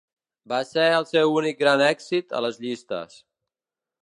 Va ser el seu únic gran èxit a les llistes.